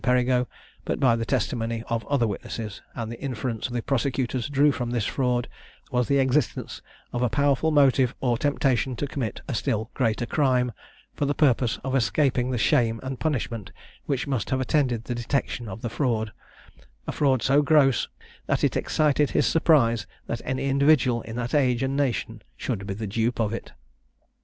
Perigo, but by the testimony of other witnesses; and the inference the prosecutors drew from this fraud was the existence of a powerful motive or temptation to commit a still greater crime, for the purpose of escaping the shame and punishment which must have attended the detection of the fraud; a fraud so gross, that it excited his surprise that any individual in that age and nation could be the dupe of it.